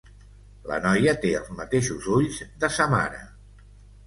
La noia té els mateixos ulls de sa mare.